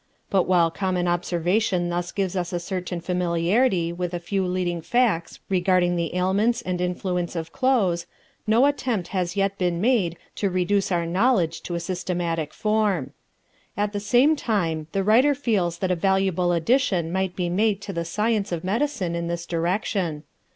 But while common observation thus gives us a certain familiarity with a few leading facts regarding the ailments and influence of clothes, no attempt has as yet been made to reduce our knowledge to a systematic form. At the same time the writer feels that a valuable addition might be made to the science of medicine in this direction.